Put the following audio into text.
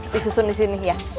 disusun disini ya